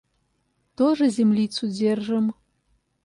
Тоже землицу держим.